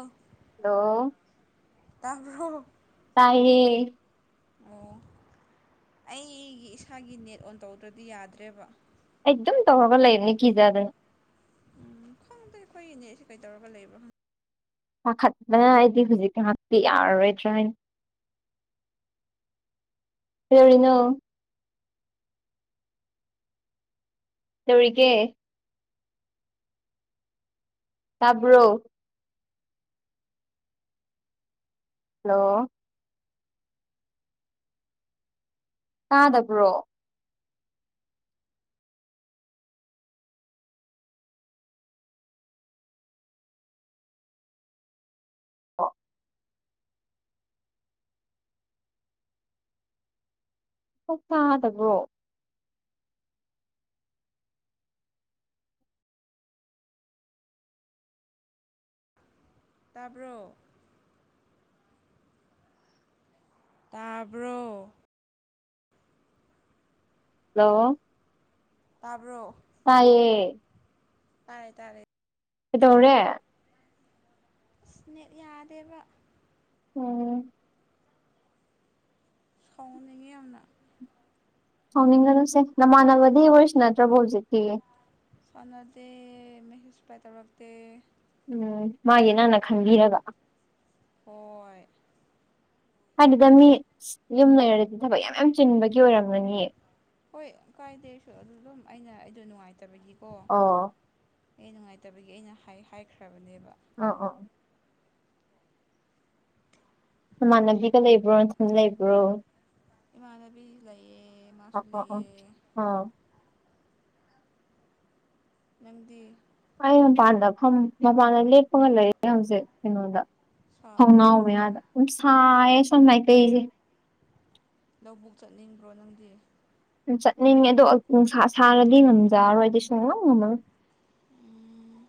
ꯑꯣ ꯍꯜꯂꯣ ꯇꯥꯕ꯭ꯔꯣ ꯇꯥꯏꯌꯦ ꯑꯣ ꯑꯩꯒꯤ ꯏꯁꯥꯒꯤ ꯅꯦꯠ ꯑꯣꯟ ꯇꯧꯗ꯭ꯔꯗꯤ ꯌꯥꯗ꯭ꯔꯦꯕ ꯑꯩ ꯑꯗꯨꯝ ꯇꯧꯔꯒ ꯂꯩꯕꯅꯤ ꯀꯤꯖꯗꯅ ꯎꯝ ꯈꯪꯗꯣ ꯑꯩꯈꯣꯏ ꯏꯅꯦꯠ ꯁꯤ ꯀꯩꯗꯧꯔꯒ ꯂꯩꯕ꯭ꯔꯥ ꯄꯥꯈꯠꯄꯅ ꯍꯥꯏꯗꯤ ꯍꯧꯖꯤꯛ ꯉꯍꯥꯛꯇꯤ ꯌꯥꯔꯔꯣꯏꯗ꯭ꯔꯥ ꯍꯥꯏꯅ ꯔꯧꯔꯤꯅꯣ ꯇꯧꯔꯤꯒꯦ ꯇꯥꯕ꯭ꯔꯣ ꯍꯜꯂꯣ ꯇꯥꯗꯕ꯭ꯔꯣ [unintelligible] ꯇꯥꯗꯕ꯭ꯔꯣ ꯇꯥꯕ꯭ꯔꯣ ꯇꯥꯕ꯭ꯔꯣ ꯍꯜꯂꯣ ꯇꯥꯕ꯭ꯔꯣ ꯇꯥꯏꯌꯦ ꯇꯥꯏꯌꯦ ꯇꯥꯔꯦ ꯀꯩꯗꯧꯔꯦ ꯅꯦꯠ ꯌꯥꯗꯦꯕ ꯎꯝ ꯀꯥꯎꯍꯟꯅꯤꯡꯉꯤ ꯌꯥꯝꯅ ꯍꯥꯎꯅꯤꯡꯉꯅꯨꯁꯦ ꯅꯃꯥꯟꯅꯕꯗꯤ ꯋꯥꯔꯤ ꯁ꯭ꯅꯗ꯭ꯔꯕꯣ ꯍꯧꯖꯤꯛꯇꯤ ꯁꯥꯟꯅꯗꯦ ꯃꯦꯍꯦꯁꯄꯥꯏ ꯇꯧꯔꯛꯇꯦ ꯎꯝ ꯃꯥꯒꯤ ꯅꯪꯅ ꯈꯟꯕꯤꯔꯒ ꯍꯣꯏ ꯍꯥꯏꯗꯨꯗ ꯃꯤ ꯌꯨꯝ ꯂꯩꯔꯗꯤ ꯊꯕꯛ ꯌꯥꯝ ꯌꯥꯝ ꯆꯤꯟꯕꯒꯤ ꯑꯣꯏꯔꯝꯂꯅꯤꯌꯦ ꯍꯣꯏ ꯀꯥꯏꯗꯦꯁꯨ ꯑꯗꯨ ꯑꯗꯨꯝ ꯑꯩꯅ ꯑꯩꯗꯣ ꯅꯨꯡꯉꯥꯏꯇꯕꯒꯤꯀꯣ ꯑꯣ ꯑꯩ ꯅꯨꯡꯉꯥꯏꯇꯕꯒꯤ ꯑꯩꯅ ꯍꯥꯏ ꯍꯥꯏꯈ꯭ꯔꯕꯅꯦꯕ ꯑꯣ ꯑꯣ ꯅꯃꯥꯟꯅꯕꯤꯒ ꯂꯩꯕ꯭ꯔꯣ ꯅꯊꯟ ꯂꯩꯕ꯭ꯔꯣ ꯏꯃꯥꯟꯅꯕꯤ ꯂꯩꯌꯦ ꯑ ꯃꯥꯁꯨ ꯑ ꯑ ꯂꯩꯌꯦ ꯑꯣ ꯅꯪꯗꯤ ꯑꯩ ꯃꯄꯥꯟꯗ ꯐꯝ ꯃꯄꯥꯟꯗ ꯂꯦꯞꯄꯒ ꯂꯩꯌꯦ ꯍꯧꯖꯤꯛ ꯀꯩꯅꯣꯗ ꯊꯣꯡꯅꯥꯎ ꯁꯥꯕ꯭ꯔꯣ ꯃꯌꯥꯗ ꯑꯗꯨꯝ ꯁꯥꯏꯌꯦ ꯁꯣꯝ ꯃꯥꯏꯀꯩꯁꯦ ꯂꯧꯕꯨꯛ ꯆꯠꯅꯤꯡꯕ꯭ꯔꯣ ꯅꯪꯗꯤ ꯎ ꯆꯠꯅꯤꯡꯉꯦ ꯑꯗꯣ ꯅꯨꯡꯁꯥ ꯁꯥꯔꯗꯤ ꯉꯝꯖꯔꯣꯏꯗꯤ ꯁꯨꯡꯉꯝ ꯉꯝꯃꯔꯣꯏ ꯎꯝ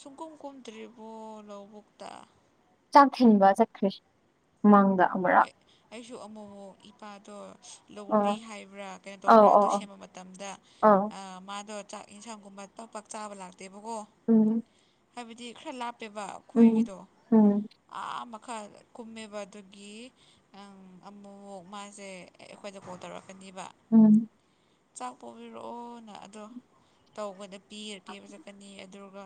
ꯁꯨꯡꯒꯨꯝ ꯀꯨꯝꯗ꯭ꯔꯤꯕꯣ ꯂꯧꯕꯨꯛꯇ ꯆꯥꯛ ꯊꯤꯟꯕ ꯆꯠꯈ꯭ꯔꯦ ꯃꯃꯥꯡꯗ ꯎꯝ ꯑꯃꯔꯛ ꯑꯩ ꯑꯩꯁꯨ ꯑꯃꯨꯛ ꯑꯃꯛ ꯏꯄꯥꯗꯣ ꯂꯧꯔꯤ ꯑꯥ ꯍꯥꯏꯕ꯭ꯔꯥ ꯀꯩꯅꯣ ꯑꯧ ꯇꯧꯕ꯭ꯔꯥ ꯑꯧ ꯑꯗꯨ ꯑꯧ ꯁꯦꯝꯕ ꯃꯇꯝꯗ ꯑꯧ ꯃꯥꯗꯣ ꯆꯥꯛ ꯌꯦꯟꯁꯥꯡꯒꯨꯝꯕ ꯄꯥꯛ ꯄꯥꯛ ꯆꯥꯕ ꯂꯥꯛꯇꯦꯕꯀꯣ ꯎꯝ ꯍꯥꯏꯕꯗꯤ ꯈꯔ ꯂꯥꯞꯄꯦꯕ ꯎꯝ ꯑꯩꯈꯣꯏꯒꯤꯗꯣ ꯎꯝ ꯑꯥ ꯃꯈꯥ ꯀꯨꯝꯃꯦꯕ ꯑꯗꯨꯒꯤ ꯑꯪ ꯑꯃꯨꯛ ꯃꯥꯁꯦ ꯑꯩꯈꯣꯏꯗ ꯀꯣꯜ ꯇꯧꯔꯛꯀꯅꯤꯕ ꯎꯝ ꯆꯥꯛ ꯄꯨꯕꯤꯔꯛꯑꯣꯅ ꯑꯗꯣ ꯇꯧꯕꯗ ꯄꯤꯔ ꯄꯤꯕ ꯆꯠꯀꯅꯤ ꯑꯗꯨꯒ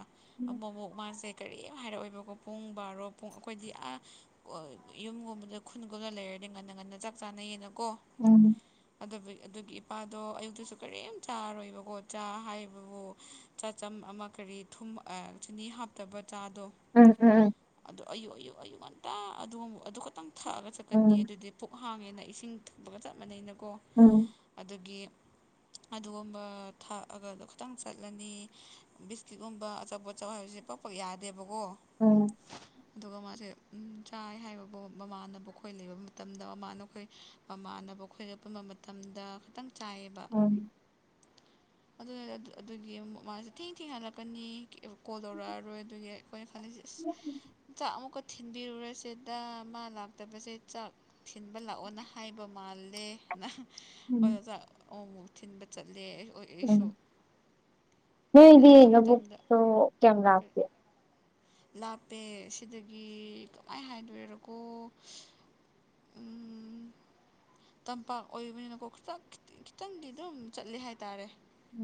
ꯑꯃꯨꯛ ꯑꯃꯨꯛ ꯃꯥꯁꯦ ꯀꯔꯤꯝ ꯍꯥꯏꯔꯛꯑꯣꯏꯕꯀꯣ ꯄꯨꯡ ꯕꯥꯔꯣ ꯄꯨꯡ ꯑꯩꯈꯣꯏꯗꯤ ꯑ ꯌꯨꯝꯒꯨꯝꯕꯗ ꯈꯨꯟꯒꯨꯝꯅ ꯂꯩꯔꯗꯤ ꯉꯟꯅ ꯉꯟꯅ ꯆꯥꯛ ꯆꯥꯅꯩ ꯌꯦꯅꯀꯣ ꯎꯝ ꯑꯗꯨ ꯑꯗꯨꯒꯤ ꯏꯄꯥꯗꯣ ꯑꯌꯨꯛꯇꯁꯨ ꯀꯔꯤꯝ ꯆꯥꯔꯣꯏꯕꯀꯣ ꯆꯥ ꯍꯥꯏꯕꯕꯨ ꯆꯥꯆꯝ ꯑꯃ ꯀꯔꯤ ꯊꯨꯝ ꯆꯤꯅꯤ ꯍꯥꯞꯇꯕ ꯆꯥꯗꯣ ꯎꯝ ꯎꯝ ꯎꯝ ꯑꯗꯨ ꯑꯌꯨꯛ ꯑꯌꯨꯛ ꯑꯌꯨꯛ ꯉꯟꯇꯥ ꯑꯗꯨꯒꯨꯝ ꯑꯗꯨ ꯈꯛꯇꯪ ꯊꯛꯑꯒ ꯆꯠꯀꯅꯤ ꯎꯝ ꯑꯗꯨꯗꯤ ꯄꯨꯛ ꯍꯥꯡꯉꯦꯅ ꯏꯁꯤꯡ ꯊꯛꯄꯒ ꯆꯞ ꯃꯥꯟꯅꯩꯅꯀꯣ ꯎꯝ ꯑꯗꯨꯒꯤ ꯑꯗꯨꯒꯨꯝꯕ ꯊꯥꯛꯑꯒꯗꯣ ꯈꯤꯇꯪ ꯆꯠꯂꯅꯤ ꯕꯤꯁꯀꯤꯠꯀꯨꯝꯕ ꯑꯆꯥꯄꯣ ꯑꯆꯥꯎ ꯍꯥꯏꯕꯁꯦ ꯄꯥꯛ ꯄꯥꯛ ꯌꯥꯗꯦꯕꯀꯣ ꯎꯝ ꯑꯗꯨꯒ ꯃꯥꯁꯦ ꯆꯥꯏ ꯍꯥꯏꯕ ꯕꯣꯛ ꯃꯃꯥꯟꯅꯕ ꯑꯩꯈꯣꯏ ꯂꯩꯕ ꯃꯇꯝꯗ ꯃꯃꯥꯟꯅꯕꯈꯣꯏ ꯃꯃꯥꯟꯅꯕ ꯑꯩꯈꯣꯏꯒ ꯄꯨꯟꯕ ꯃꯇꯝꯗ ꯈꯤꯇꯪ ꯆꯥꯥꯏꯑꯦꯕ ꯎꯝ ꯑꯗꯨ ꯑꯗꯨꯒꯤ ꯃꯥꯁꯦ ꯊꯦꯡ ꯊꯦꯡꯍꯜꯂꯛꯀꯅꯤ ꯀꯣꯜ ꯇꯧꯔꯛꯑꯔꯣꯏ ꯑꯗꯨꯒꯤ ꯑꯩꯈꯣꯏ ꯈꯜꯂꯤꯁꯦ ꯑꯁ ꯆꯥꯛ ꯑꯃꯨꯛꯀ ꯊꯤꯟꯕꯤꯔꯨꯔꯁꯦ ꯗ ꯃꯥ ꯂꯥꯛꯇꯕꯁꯦ ꯆꯥꯛ ꯊꯤꯟꯕ ꯂꯥꯛꯑꯣꯅ ꯍꯥꯏꯕ ꯃꯥꯜꯂꯦ ꯅꯍ ꯎꯝ ꯈꯣꯏꯗꯣ ꯑꯃꯨꯛ ꯃꯨꯛ ꯊꯤꯟꯕ ꯆꯠꯂꯦ ꯑꯩ ꯑꯩꯁꯨ ꯎꯝ ꯑꯗ ꯅꯣꯏꯗꯤ ꯑꯗꯨ ꯃꯇꯝꯗ ꯂꯧꯕꯨꯛꯇꯣ ꯀꯌꯥꯝ ꯂꯥꯞꯀꯦ ꯂꯥꯞꯄꯦ ꯁꯤꯗꯒꯤ ꯀꯃꯥꯏꯅ ꯍꯥꯏꯗꯣꯏꯔꯥꯀꯣ ꯎꯝ ꯇꯝꯄꯥꯛ ꯑꯣꯏꯕꯅꯤꯅꯀꯣ ꯈꯤꯇ ꯈꯤꯇꯪꯗꯤ ꯑꯗꯨꯝ ꯆꯠꯂꯦ ꯍꯥꯏꯇꯥꯔꯦ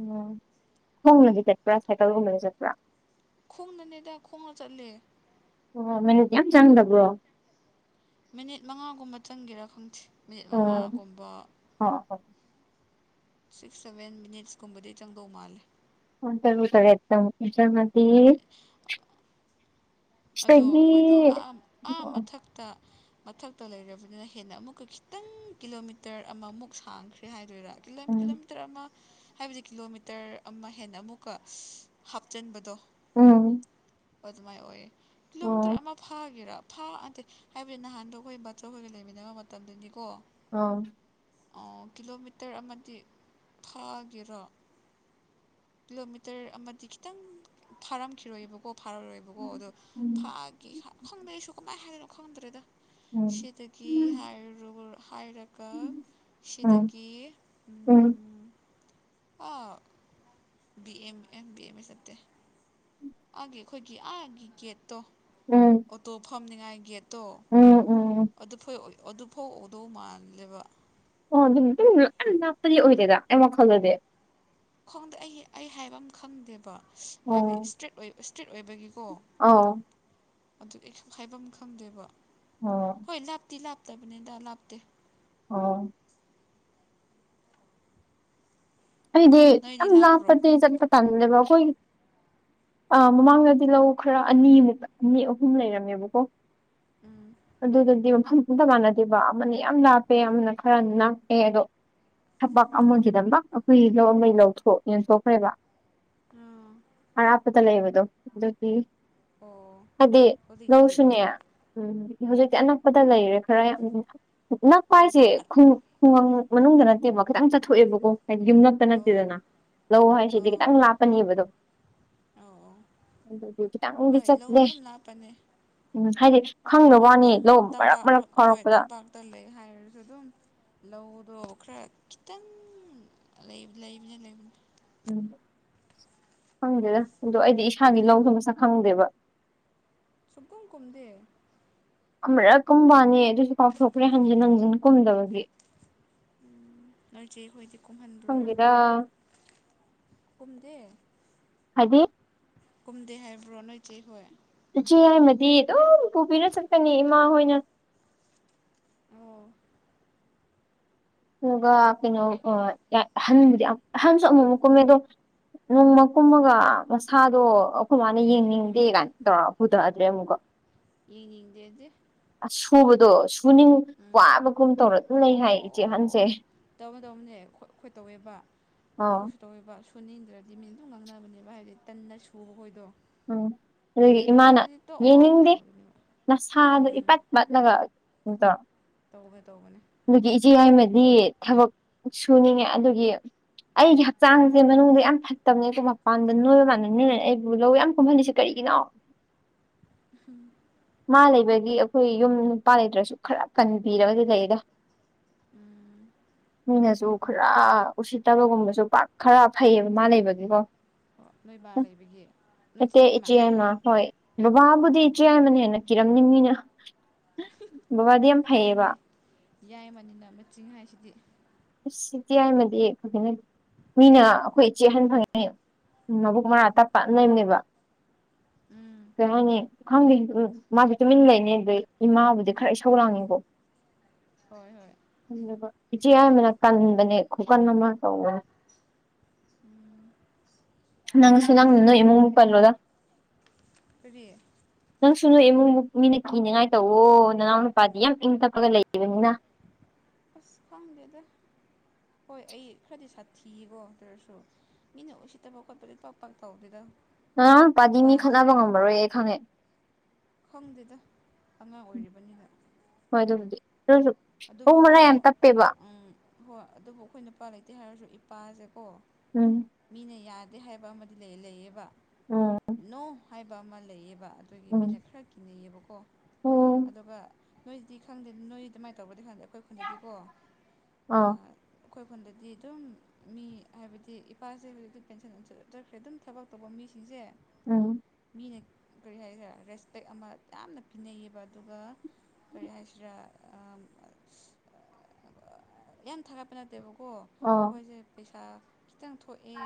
ꯎꯝ ꯈꯣꯡꯅꯗꯤ ꯆꯠꯄ꯭ꯔꯥ ꯁꯥꯏꯀꯜꯒꯨꯝꯕꯗꯤ ꯆꯠꯄ꯭ꯔꯥ ꯈꯣꯡꯅꯅꯦꯗ ꯈꯣꯡꯅ ꯆꯠꯂꯦ ꯑꯣ ꯃꯅꯨꯡꯗꯤ ꯌꯥꯝ ꯆꯥꯡꯗꯕꯔꯣ ꯃꯤꯅꯤꯠ ꯃꯉꯥꯒꯨꯝꯕ ꯆꯪꯒꯦꯔꯥ ꯈꯪꯗ꯭ꯦ ꯃꯤꯅꯤꯠ ꯃꯉꯥꯒꯨꯝꯕ ꯍꯣ ꯍꯣ ꯁꯤꯛꯁ ꯁꯕꯦꯟ ꯃꯤꯅꯤꯠꯁ ꯀꯨꯝꯕꯗꯤ ꯆꯪꯗꯧ ꯃꯥꯜꯂꯦ ꯄꯨꯡ ꯇꯔꯨꯛ ꯇꯔꯦꯠ ꯆꯪꯉꯗꯤ ꯍꯣꯏ ꯑꯗꯣ ꯁꯤꯗꯒꯤ ꯑꯩꯈꯣꯏꯗꯣ ꯑꯥ ꯑꯥ ꯑꯣ ꯃꯊꯛ ꯇ ꯃꯊꯛꯇ ꯂꯩꯔꯕꯅꯤꯅ ꯍꯦꯟꯅ ꯑꯃꯨꯛꯀ ꯈꯤꯇꯪ ꯀꯤꯂꯣꯃꯤꯇꯔ ꯑꯃꯃꯨꯛ ꯁꯥꯡꯈ꯭ꯔꯦ ꯍꯥꯏꯗꯣꯏꯔꯥ ꯎꯝ ꯃꯤꯇꯔ ꯑꯃ ꯍꯥꯏꯕꯗꯤ ꯀꯤꯂꯣꯃꯤꯇꯔ ꯑꯃ ꯍꯦꯟꯅ ꯑꯃꯨꯛꯀ ꯍꯥꯞꯆꯟꯕꯗꯣ ꯎꯝ ꯑꯗꯨꯃꯥꯏꯅ ꯑꯣꯏꯌꯦ ꯀꯤꯂꯣꯃꯤꯇꯔ ꯑꯣ ꯑꯃ ꯐꯥꯒꯦꯔꯥ ꯊꯥ ꯑꯗꯦ ꯍꯥꯏꯕꯗꯤ ꯅꯍꯥꯟꯗꯣ ꯑꯩꯈꯣꯏ ꯕꯇꯔꯈꯣꯏꯒ ꯂꯩꯃꯤꯟꯅꯕ ꯃꯇꯝꯗꯅꯤꯀꯣ ꯑꯥꯎ ꯑꯣ ꯀꯤꯂꯣꯃꯤꯇꯔ ꯑꯃꯗꯤ ꯊꯥꯒꯦꯔꯣ ꯀꯤꯂꯣꯃꯤꯇꯔ ꯑꯃꯗꯤ ꯈꯤꯇꯪ ꯐꯥꯔꯝꯈꯤꯔꯣꯏꯑꯕꯀꯣ ꯐꯥꯔꯔꯣꯏꯕꯀꯣ ꯑꯗꯣ ꯎꯝ ꯐꯥꯒꯦ ꯈꯪꯗ꯭ꯔꯦꯁꯨ ꯀꯃꯥꯏꯅ ꯍꯥꯏꯗꯣꯏꯅꯣ ꯈꯪꯗ꯭ꯔꯦꯗ ꯎꯝ ꯁꯤꯗꯒꯤ ꯎꯝ ꯍꯥꯏ ꯍꯥꯏꯔꯒ ꯎꯝ ꯁꯤꯇꯀꯤ ꯎ ꯑ B M M B M ꯑꯦ ꯅꯠꯇꯦ ꯑꯥꯒꯤ ꯑꯩꯈꯣꯏꯒꯤ ꯑꯥꯒꯤ ꯒꯦꯠꯇꯣ ꯎꯝ ꯑꯣꯇꯣ ꯐꯝꯅꯤꯉꯥꯏ ꯒꯦꯠꯇꯣ ꯑꯣ ꯎꯝ ꯎꯝ ꯑꯗꯨꯐ ꯑꯗꯨꯐꯥꯎ ꯎꯗꯧ ꯃꯥꯜꯂꯦꯕ ꯑꯣ ꯑꯗꯨꯝꯝ ꯂ ꯂꯥꯞꯄꯗꯤ ꯑꯣꯏꯗꯦꯗ ꯑꯩ ꯋꯥꯈꯜꯗꯗꯤ ꯈ ꯈꯣꯡꯗ ꯑꯩ ꯑꯩ ꯍꯥꯏꯕ ꯑꯃ ꯈꯪꯗꯦꯕ ꯍꯥꯏꯕꯗꯤ ꯏꯁꯇ꯭ꯔꯤꯠ ꯏꯁꯇ꯭ꯔꯤꯠ ꯑꯣꯏꯕꯒꯤꯀꯣ ꯑꯥꯎ ꯑꯗꯨ ꯑꯩꯁꯨꯨꯝ ꯍꯥꯏꯐꯝ ꯈꯪꯗꯦꯕ ꯑꯣ ꯍꯣꯏ ꯂꯥꯞꯇꯤ ꯂꯥꯞꯇ ꯇꯕꯅꯤꯗ ꯂꯥꯞꯇꯦ ꯑꯣ ꯑꯩꯗꯤ ꯅꯣꯏꯗꯤ ꯌꯥꯝ ꯂꯥꯞꯄ꯭ꯔꯣ ꯂꯥꯞꯄꯗꯤ ꯆꯠꯄ ꯇꯥꯟꯗꯦꯕ ꯑꯩꯈꯣꯏ ꯑ ꯃꯃꯥꯡꯗꯗꯤ ꯂꯧ ꯈꯔ ꯑꯅꯤꯃꯨꯛ ꯑꯅꯤ ꯑꯍꯨꯝ ꯂꯩꯔꯝꯃꯦꯕꯀꯣ ꯎꯝ ꯑꯗꯨ ꯑꯗꯨꯗꯤ ꯃ ꯑꯇ ꯃꯥꯟꯅꯗꯦꯕ ꯑꯃꯅ ꯌꯥꯝ ꯂꯥꯞꯄꯦ ꯑꯃꯅ ꯈꯔ ꯅꯛꯄꯦ ꯑꯗꯣ ꯊꯄꯥ ꯑꯃꯃꯁꯤꯗꯝꯕ ꯑꯩꯈꯣꯏ ꯂꯧꯃꯩ ꯂꯧꯊꯣꯛ ꯌꯦꯟꯊꯣꯛꯈ꯭ꯔꯦꯕ ꯑꯥ ꯑꯔꯥꯞ ꯈꯨꯠꯇ ꯂꯩꯕꯗꯣ ꯑꯗꯨꯗꯤ ꯑꯣ ꯍꯥꯏꯗꯤ ꯍꯧꯖꯤꯛꯇꯤ ꯂꯧꯁꯨꯅꯦ ꯎꯝ ꯍꯧꯖꯤꯛꯇꯤ ꯑꯅꯛꯄꯗ ꯂꯩꯔꯦ ꯈꯔ ꯌꯥꯝ ꯅꯛꯄ ꯑꯣ ꯑꯧ ꯍꯥꯏꯁꯦ ꯈꯨꯡꯒꯪ ꯃꯅꯨꯡꯗ ꯅꯠꯇꯦꯕ ꯈꯤꯇꯪ ꯆꯠꯊꯣꯛꯑꯦꯕꯀꯣ ꯍꯥꯏꯗꯤ ꯌꯨꯝꯂꯛ ꯈꯛꯇ ꯑꯧ ꯅꯠꯇꯦꯗꯅ ꯂꯧ ꯍꯥꯏꯁꯤꯗꯤ ꯑꯧ ꯈꯤꯇꯪ ꯂꯥꯞꯄꯅꯦꯕꯗꯣ ꯑꯧ ꯑꯗꯨꯗꯤ ꯈꯤꯇꯪꯗꯤ ꯍꯣꯏ ꯂꯧ ꯆꯠꯂꯦ ꯑꯗꯨꯝ ꯂꯥꯞꯄꯅꯦ ꯎꯝ ꯍꯥꯏꯗꯤ ꯈꯪꯗꯕ ꯋꯥꯅꯤ ꯂꯧ ꯃꯔꯛ ꯃꯔꯛ ꯐꯥꯎꯔꯛꯄꯗ ꯇꯜꯂꯦ ꯍꯥꯏꯔꯁꯨ ꯑꯗꯨꯝ ꯂꯧꯗꯣ ꯈꯔ ꯈꯤꯇꯪ ꯂꯩ ꯂꯩꯕꯅꯦ ꯂꯩꯕꯅꯦ ꯎꯝ ꯈꯪꯗꯦꯗ ꯑꯗꯣ ꯑꯩꯗꯤ ꯏꯁꯥꯒꯤ ꯂꯧꯗꯨꯣ ꯃꯁꯛ ꯈꯪꯗꯦꯕ ꯁꯨꯛꯀꯨꯝ ꯀꯨꯝꯗꯦ ꯑꯃꯨꯔꯛ ꯀꯨꯝꯕ ꯋꯥꯅꯤ ꯑꯗꯨꯁꯨ ꯀꯥꯎꯊꯣꯛꯈ꯭ꯔꯦ ꯍꯟꯖꯤꯟ ꯍꯟꯖꯤꯟ ꯀꯨꯝꯗꯕꯒꯤ ꯅꯣꯏ ꯆꯦ ꯍꯣꯏꯗꯤ ꯀꯨꯝꯍꯟꯕ꯭ꯔꯣ ꯈꯪꯗꯦꯗ ꯀꯨꯝꯗꯦ ꯍꯥꯏꯗꯤ ꯀꯨꯝꯗꯦ ꯍꯥꯏꯕ꯭ꯔꯣ ꯅꯣꯏꯆꯦ ꯍꯣꯏ ꯏꯆꯦ ꯌꯥꯏꯃꯗꯤ ꯑꯗꯨꯝ ꯄꯨꯕꯤꯔ ꯆꯠꯀꯅꯤ ꯏꯃꯥ ꯍꯣꯏꯅ ꯑꯣ ꯑꯗꯨꯒ ꯀꯩꯅꯣ ꯑꯍꯟꯕꯨꯗꯤ ꯑꯍꯟꯁꯨ ꯑꯃꯨꯛ ꯑꯃꯨꯛ ꯀꯨꯝꯃꯦ ꯑꯗꯣ ꯅꯣꯡꯃ ꯀꯨꯝꯃꯒ ꯃꯁꯥꯗꯣ ꯑꯩꯈꯣꯏ ꯃꯥꯅ ꯌꯦꯡꯅꯤꯡꯗꯦ ꯀꯥꯏꯅ ꯇꯧꯔ ꯄꯨꯗꯥꯒ꯭ꯔꯦ ꯑꯃꯨꯛꯀ ꯌꯦꯡꯅꯤꯡꯗꯦꯗꯤ ꯑꯁ ꯁꯨꯕꯗꯣ ꯁꯨꯅꯤꯡ ꯎꯝ ꯋꯥꯕꯒꯨꯝ ꯇꯧꯔ ꯑꯗꯨꯝ ꯂꯩ ꯑꯣ ꯍꯥꯏꯌꯦ ꯏꯆꯦ ꯑꯣ ꯑꯍꯟꯁꯦ ꯑꯣ ꯇꯧꯕ ꯇꯧꯕꯅꯦ ꯑꯩꯈꯣꯏ ꯇꯧꯋꯦꯕ ꯑꯥ ꯑꯩꯈꯣꯏꯁꯨ ꯇꯧꯋꯦꯕ ꯁꯨꯅꯤꯡꯗ꯭ꯔꯗꯤ ꯃꯤꯅꯗꯨꯝ ꯉꯥꯡꯅꯕꯅꯦ ꯍꯥꯏꯗꯤ ꯇꯟꯅ ꯁꯨꯕ ꯈꯣꯏꯗꯣ ꯎꯝ ꯅꯣꯢꯒꯤ ꯏꯃꯥꯅ ꯁꯨꯅꯤꯡꯉꯗꯤ ꯇꯣꯛꯑꯣ ꯌꯦꯡꯅꯤꯡꯗꯦ ꯇꯧꯕꯅꯦꯕ ꯅꯁꯥꯗꯣ ꯎꯝ ꯏꯄꯠ ꯄꯠꯂꯒ ꯑꯗꯣ ꯇꯧꯒꯦ ꯇꯧꯕꯅꯦ ꯑꯗꯨꯒꯤ ꯏꯆꯦ ꯌꯥꯏꯃꯗꯤ ꯊꯕꯛ ꯁꯨꯅꯤꯡꯉꯦ ꯑꯗꯨꯒꯤ ꯑꯩꯒꯤ ꯍꯛꯆꯥꯡꯁꯦ ꯃꯅꯨꯡꯗ ꯌꯥꯝ ꯐꯠꯇꯕꯅꯦ ꯃꯄꯥꯟꯗ ꯅꯣꯏꯕ ꯃꯥꯟꯕꯅꯦ ꯑꯩꯕꯨ ꯂꯧ ꯌꯥꯝ ꯀꯨꯝꯍꯜꯂꯤꯁꯦ ꯀꯔꯤꯒꯤꯅꯣ ꯎꯝ ꯃꯥ ꯂꯩꯕꯒꯤ ꯑꯩꯈꯣꯏ ꯌꯨꯝ ꯅꯨꯄꯥ ꯂꯩꯇ꯭ꯔꯁꯨ ꯈꯔ ꯀꯟꯕꯤꯔꯒꯗꯤ ꯂꯩꯌꯦꯗ ꯎꯝ ꯃꯤꯅꯁꯨ ꯈꯔ ꯎꯁꯤꯠꯇꯕꯒꯨꯝꯕꯁꯨ ꯄꯥꯛ ꯈꯔ ꯐꯩꯌꯦꯕ ꯃꯥ ꯂꯩꯕꯒꯤꯀꯣ ꯍꯣꯏ ꯅꯣꯏ ꯕꯥ ꯂꯩꯕꯒꯤ ꯅꯣꯏ ꯅꯠꯇꯦ ꯆꯦꯌꯥꯏꯃ ꯏꯆꯦ ꯌꯥꯏꯃ ꯍꯣꯏ ꯕꯕꯥꯕꯨꯗꯤ ꯑꯣ ꯏꯆꯦ ꯌꯥꯏꯃꯅ ꯍꯦꯟꯅ ꯀꯤꯔꯝꯅꯤ ꯃꯤꯅ ꯕꯕꯥꯗꯤ ꯌꯥꯝ ꯐꯩꯌꯦꯕ ꯍꯣꯏꯅꯦ ꯌꯥꯏꯃꯅꯤꯅ ꯃꯆꯤꯡ ꯍꯥꯏꯁꯤꯗꯤ ꯑꯁ ꯏꯆꯦ ꯌꯥꯏꯃꯗꯤ ꯃꯤꯅ ꯑꯩꯈꯣꯏ ꯏꯆꯦ ꯑꯍꯟ ꯐꯪꯉꯤ ꯃꯕꯨꯛ ꯃꯔꯥ ꯇꯞꯄ ꯂꯩꯕꯅꯦꯕ ꯎꯝ ꯀꯩ ꯍꯥꯏꯅꯤ ꯈꯪꯗꯦ ꯎ ꯃꯥꯗꯤ ꯇꯨꯃꯤꯟ ꯂꯩꯍꯦ ꯏꯃꯥꯕꯨꯗꯤ ꯈꯔ ꯏꯁꯧ ꯂꯥꯡꯉꯤꯀꯣ [inaudible] ꯍꯣꯏ ꯍꯣꯏ ꯏꯆꯦ ꯌꯥꯢꯃꯅ ꯀꯟꯕꯅꯦ ꯈꯨꯀꯟ ꯑꯃ ꯇꯧꯋꯦ ꯅꯪꯁꯨ ꯅꯪ ꯅꯣꯢ ꯏꯃꯨꯡꯃꯨꯛ ꯄꯜꯂꯣꯗ ꯀꯔꯤ ꯅꯪꯁꯨ ꯅꯣꯢ ꯏꯃꯨꯡꯃꯨꯛ ꯃꯤꯅ ꯀꯤꯅꯤꯡꯉꯥꯏ ꯇꯧꯋꯣ ꯅꯅꯥꯎ ꯅꯨꯄꯥꯗꯤ ꯌꯥꯝ ꯏꯪ ꯇꯞꯄꯒ ꯂꯩꯕꯅꯤꯅ ꯑꯁ ꯈꯪꯗꯦꯗ ꯍꯣꯏ ꯑꯩ ꯈꯔꯗꯤ ꯁꯥꯊꯤꯌꯦꯀꯣ ꯑꯗꯨ ꯑꯣꯢꯔꯁꯨ ꯃꯤꯅ ꯎꯁꯤꯠꯇꯕ ꯈꯣꯠꯄꯗꯤ ꯄꯥꯛ ꯄꯥꯛ ꯇꯧꯗꯦꯗ ꯅꯅꯥꯎ ꯅꯨꯄꯥꯗꯤ ꯃꯤ ꯏꯄꯥꯁꯦ ꯈꯠꯅꯕ ꯉꯝꯃꯔꯣꯏꯌꯦ ꯈꯪꯉꯦ ꯈꯪꯗꯦꯗ ꯑꯉꯥꯡ ꯑꯣꯏꯔꯤꯕꯅꯤꯅ ꯍꯣꯏ ꯑꯗꯨꯕꯨꯗꯤ ꯑꯗꯨ ꯑꯣꯢꯁꯨ ꯑꯗꯨꯕꯨꯀꯣ ꯎꯝ ꯍꯣꯏ ꯑꯗꯨꯕꯨ ꯑꯩꯈꯣꯏ ꯅꯨꯄꯥ ꯂꯩꯇꯦ ꯍꯥꯏꯔꯁꯨ ꯏꯄꯥꯁꯦꯀꯣ ꯎꯝ ꯃꯤꯅ ꯌꯥꯗꯦ ꯍꯥꯏꯕ ꯑꯃꯗꯤ ꯂꯩꯌꯦꯕ ꯎꯝ ꯅꯣ ꯍꯥꯏꯕ ꯑꯃ ꯂꯩꯌꯦꯕ ꯑꯗꯨꯣꯏꯒꯤ ꯎꯝ ꯃꯤꯅ ꯈꯔ ꯀꯤꯅꯩꯌꯦꯕꯀꯣ ꯎꯝ ꯑꯗꯨꯒ ꯅꯣꯏꯁꯤꯗꯤ ꯈꯪꯗꯦ ꯅꯣꯏ [inaudible] ꯑꯗꯨꯃꯥꯏ ꯇꯧꯕ꯭ꯔꯥꯗꯤ ꯈꯪꯗꯦ ꯑꯩꯈꯣꯏ ꯈꯨꯟꯗꯗꯤꯀꯣ ꯑꯥ ꯑꯩꯈꯣꯏꯈꯣꯟꯗꯗꯤ ꯑꯗꯨꯝ ꯃꯤ ꯍꯥꯏꯕꯗꯤ ꯏꯄꯥꯁꯦ ꯍꯧꯗꯤ ꯄꯦꯟꯁꯟ ꯟꯁꯜꯆꯠꯈ꯭ꯔꯦ ꯑꯗꯨꯝ ꯊꯕꯛ ꯇꯧꯕ ꯃꯤꯁꯤꯡꯁꯦ ꯑꯣ ꯃꯤꯅ ꯀꯔꯤ ꯍꯥꯏꯇꯥꯔꯦ ꯔꯦꯁꯄꯦꯛ ꯑꯃ ꯌꯥꯝꯅ ꯄꯤꯅꯩꯌꯦꯕ ꯑꯗꯨꯒ ꯀꯔꯤ ꯍꯥꯏꯁꯤꯔꯥ ꯌꯥꯝ ꯊꯥꯒꯠꯄ ꯅꯠꯇꯦꯕ ꯀꯣ ꯑꯥ ꯑꯩꯈꯣꯏꯁꯦ ꯄꯩꯁꯥ ꯈꯤꯇꯪ ꯊꯣꯛꯑꯦ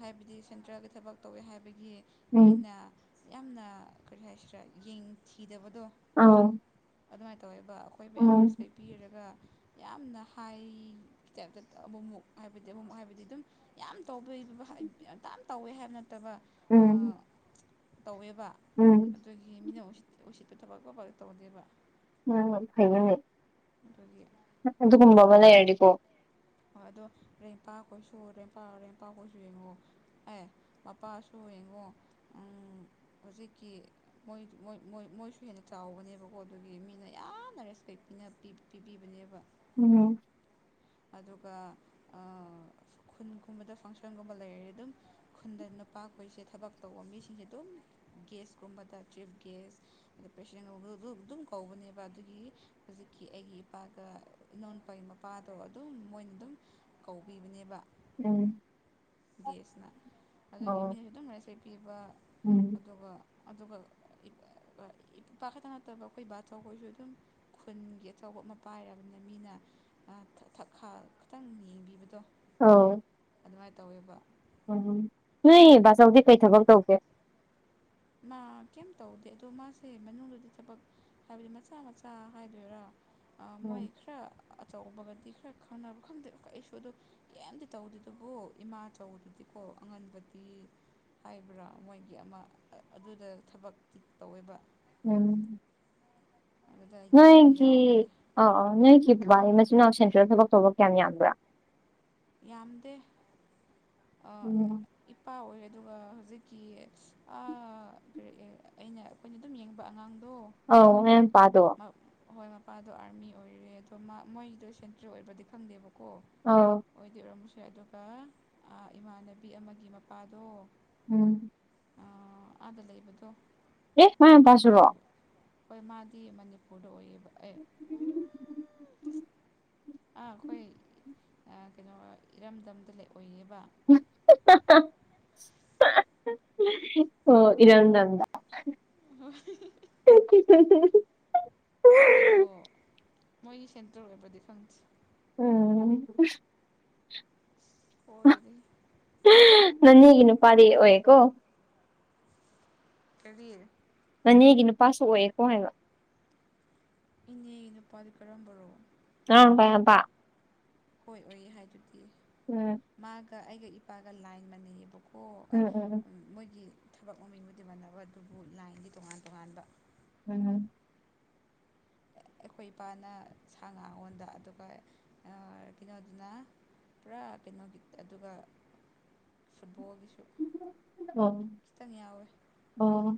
ꯍꯥꯏꯕꯗꯤ ꯁꯦꯟꯇ꯭ꯔꯦꯜꯒꯤ ꯊꯕꯛ ꯇꯧꯋꯦ ꯍꯥꯏꯕꯒꯤ ꯎꯝ ꯃꯤꯅ ꯌꯥꯝꯅ ꯀꯔꯤ ꯍꯥꯏꯁꯤꯔꯥ ꯌꯦꯡ ꯊꯤꯗꯕꯗꯣ ꯑꯥꯎ ꯑꯗꯨꯃꯥꯏꯅ ꯇꯧꯋꯦꯕ ꯑꯩꯈꯣꯏꯕꯨ ꯌꯥꯝ ꯔꯦꯁꯄꯦꯛ ꯄꯤꯔꯒ ꯌꯥꯝꯅ ꯍꯥꯏ ꯇꯥꯏꯞꯇ ꯑꯕꯃꯨꯛ ꯍꯥꯏꯕꯗꯤ ꯑꯕꯃꯨꯛ ꯍꯥꯏꯕꯗꯤ ꯑꯗꯨꯝ ꯌꯥꯝ ꯇꯧꯕ ꯌꯥꯝꯇꯥ ꯇꯧꯋꯦ ꯍꯥꯏꯕ ꯅꯠꯇꯕ ꯎꯝ ꯇꯧꯋꯦꯕ ꯎꯝ ꯑꯗꯨꯒꯤ ꯃꯤꯅ ꯎ ꯎꯁꯤꯠꯄ ꯊꯕꯛ ꯋꯥꯕ ꯇꯧꯗꯦꯕ ꯎꯝ ꯐꯩꯕꯅꯦ ꯑꯗꯨꯒꯒꯤ ꯑꯗꯨꯒꯨꯝꯕ ꯑꯃ ꯂꯩꯔꯅꯤꯀꯣ ꯍꯣꯏ ꯑꯗꯣ ꯔꯦꯡꯄꯥꯛꯈꯣꯏꯁꯨ ꯔꯦꯡꯄꯥꯛ ꯔꯦꯡꯄꯥꯛꯈꯣꯏꯁꯨ ꯌꯦꯡꯉꯛꯑꯣ ꯑꯦ ꯃꯄꯥꯁꯨ ꯌꯦꯡꯉꯣ ꯍꯧꯖꯤꯛꯀꯤ ꯣꯏꯣꯏ ꯃꯣꯏꯁꯨ ꯍꯦꯟꯅ ꯆꯥꯎꯕꯅꯦꯕꯀꯣ ꯑꯗꯨꯒꯤ ꯃꯤꯅ ꯌꯥꯝꯅ ꯔꯦꯁꯄꯦꯛ ꯄꯤꯅ ꯄꯤ ꯄꯤꯕꯤꯕꯅꯦꯕ ꯎꯝ ꯑꯗꯨꯒ ꯈꯨꯟꯒꯨꯝꯕꯗ ꯐꯪꯁꯟꯒꯨꯝꯕ ꯂꯩꯔꯦ ꯑꯗꯨꯝ ꯈꯨꯟꯗ ꯅꯨꯄꯥ ꯑꯩꯣꯏꯁꯦ ꯊꯕꯛ ꯇꯧꯕ ꯃꯤꯁꯤꯡꯁꯦ ꯑꯗꯨꯝ ꯒ꯭ꯌꯥꯁꯀꯨꯝꯕꯗ ꯆꯤꯞ ꯒ꯭ꯁ ꯑꯗ ꯄꯦꯁꯦꯟ ꯑꯗꯨꯝ ꯀꯧꯕꯅꯦꯕ ꯑꯗꯨꯒꯤ ꯍꯧꯖꯤꯛꯀꯤ ꯑꯩꯒꯤ ꯏꯄꯥꯒ ꯏꯅꯣꯄꯥꯒꯤ ꯃꯄꯥꯗꯣ ꯑꯗꯨꯝ ꯃꯣꯏꯅ ꯑꯗꯨꯝ ꯀꯧꯕꯤꯕꯅꯦꯕ ꯎꯝ ꯒꯦꯁꯅ ꯑꯗꯨꯒꯤ ꯑꯣ ꯃꯤꯅꯁꯨ ꯑꯗꯨꯝ ꯉꯔ ꯁꯦꯠꯄꯤꯕ ꯎꯝ ꯑꯗꯨꯒ ꯑꯗꯨꯒ ꯏꯄꯥꯛ ꯈꯇ ꯅꯠꯇꯕ ꯑꯩꯈꯣꯏ ꯏꯕꯥꯊ ꯑꯩꯈꯣꯏꯁꯨ ꯑꯗꯨꯝ ꯈꯨꯟꯒꯤ ꯑꯆꯧꯕ ꯑꯃ ꯄꯥꯏꯔꯕꯅꯤꯅ ꯃꯤꯅ ꯈ ꯈꯤꯇꯪ ꯌꯦꯕꯤꯕꯗꯣ ꯑꯣꯥꯎ ꯑꯗꯨꯃꯥꯏꯅ ꯇꯧꯋꯦꯕ ꯎꯝ ꯅꯣꯏ ꯕꯥꯆꯧꯗꯤ ꯀꯩ ꯊꯕꯛ ꯇꯧꯒꯦ ꯃꯥ ꯀꯩꯝ ꯇꯧꯗꯦ ꯑꯗꯣ ꯃꯥꯁꯦ ꯃꯅꯨꯡꯗꯗꯤ ꯊꯕꯛ ꯍꯥꯏꯕꯗꯤ ꯃꯆꯥ ꯃꯆꯥ ꯍꯥꯏꯗꯣꯏꯔꯥ ꯃꯣꯏ ꯎꯝ ꯈꯔ ꯑꯆꯧꯕꯒꯗꯤ ꯈꯔ ꯈꯪꯅꯕ ꯈꯪꯗꯦ ꯑꯩꯁꯨ ꯑꯗꯨꯗꯣ ꯀꯩꯝꯇ ꯇꯧꯗꯦꯗꯨꯕꯨꯣ ꯏꯃꯥꯆꯧꯗꯨꯗꯤꯀꯣ ꯑꯉꯟꯕꯗꯤ ꯍꯥꯏꯕ꯭ꯔꯥ ꯃꯣꯏꯒꯤ ꯑꯃ ꯑꯗꯨꯗ ꯊꯕꯛꯇꯤ ꯇꯧꯋꯦꯕ ꯎꯝ ꯑꯗꯨꯗ ꯌꯥꯎꯗꯤ ꯌꯥꯎꯕꯅꯤ ꯅꯣꯏꯒꯤ ꯑ ꯑ ꯅꯣꯏꯒꯤ ꯕꯕꯥꯒꯤ ꯃꯆꯤꯟꯅꯥꯎ ꯁꯦꯟꯇ꯭ꯔꯦꯜ ꯊꯕꯛ ꯇꯧꯕ ꯀꯌꯥꯝ ꯌꯥꯝꯕ꯭ꯔꯥ ꯌꯥꯝꯗꯦ ꯎꯝ ꯏꯄꯥ ꯑꯣꯏ ꯑꯗꯨꯒ ꯍꯧꯖꯤꯛꯀꯤ ꯀꯔꯤ ꯑꯩꯅ ꯑꯩꯈꯣꯏꯅ ꯑꯗꯨꯝ ꯌꯦꯡꯕ ꯑꯉꯥꯡꯗꯣ ꯑ ꯌꯥ ꯄꯥꯗꯣ ꯍꯣꯏ ꯃꯄꯥꯗꯣ ꯑꯥꯔꯃꯤ ꯑꯣꯏꯔꯦ ꯑꯗꯣ ꯃꯥ ꯃꯣꯏꯗꯣ ꯁꯦꯟꯇ꯭ꯔꯦꯜ ꯑꯣꯏꯕꯗꯤ ꯈꯪꯗꯦꯕꯀꯣ ꯑꯥꯎ ꯑꯣꯏꯗꯤ ꯑꯣꯏꯔꯝꯃꯁꯦ ꯑꯗꯨꯒ ꯏꯃꯥꯟꯅꯕꯤ ꯑꯃꯒꯤ ꯃꯄꯥꯗꯣ ꯎꯝ ꯑꯥꯗ ꯂꯩꯕꯗꯣ ꯑꯦ ꯃꯥꯏ ꯃꯄꯥꯁꯨꯔꯣ ꯃꯨꯕ ꯍꯣꯏ ꯃꯥ ꯇꯤ ꯃꯅꯤꯄꯨꯔꯗ ꯑꯣꯏꯕ ꯑꯦ ꯑꯥ ꯑꯩꯈꯣꯏ ꯑꯥ ꯀꯩꯅꯣ ꯏꯔꯝꯗꯝꯗ ꯑꯣꯏꯌꯦꯕ [unintelligible] ꯑꯣ ꯏꯔꯝꯗꯝꯗꯗ [unintelligible] [unintelligible] ꯑꯗꯣ ꯃꯣꯏꯒꯤ ꯁꯦꯟꯇꯔ ꯑꯣꯏꯕꯗꯤ ꯐꯪꯗꯦ ꯎꯝ ꯍꯣꯏꯗꯤ ꯅꯅꯦꯒꯤ ꯅꯨꯄꯥꯗꯤ ꯑꯣꯏꯌꯦꯀꯣ ꯀꯔꯤ ꯅꯅꯦꯒꯤ ꯅꯨꯄꯥꯁꯨ ꯑꯣꯏꯌꯦꯀꯣ ꯍꯥꯏꯕ ꯏꯅꯦꯒꯤ ꯅꯨꯄꯥꯗꯤ ꯀꯔꯝꯕꯔꯣ [unintelligible] ꯍꯣꯏ ꯑꯣꯏꯌꯦ ꯍꯥꯏꯗꯨꯗꯤ ꯎꯝ ꯃꯥꯒ ꯑꯩꯒ ꯏꯄꯥꯒ ꯂꯥꯏꯟ ꯃꯥꯟꯅꯩꯌꯦꯕꯀꯣ ꯑꯦ ꯎꯝ ꯎꯝ ꯃꯣꯏꯒꯤ ꯊꯕꯛ ꯃꯃꯤꯡꯕꯨꯗꯤ ꯃꯟꯅꯕ ꯑꯗꯨꯕꯨ ꯂꯥꯏꯟꯗꯤ ꯇꯣꯉꯥꯟ ꯇꯣꯉꯥꯟꯕ ꯎꯝꯝ ꯑꯩꯈꯣꯏ ꯏꯄꯥꯅ ꯁꯥ ꯉꯥꯉꯣꯟꯗ ꯑꯗꯨꯒ ꯀꯩꯅꯣꯗꯨꯅ ꯄꯨꯔꯥ ꯀꯩꯅꯣꯒꯤ ꯑꯗꯨꯒ ꯐꯨꯠꯕꯣꯜꯒꯤꯁꯨ ꯑꯣ [unintelligible] ꯑꯣ